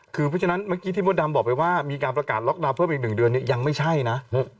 คือเพราะฉะนั้นเมื่อกี้ที่มดดำบอกไปว่ามีการประกาศล็อกดาวน์เพิ่มอีก๑เดือนเนี่ยยังไม่ใช่นะ